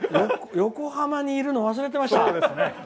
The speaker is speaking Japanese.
横浜にいるの忘れていました。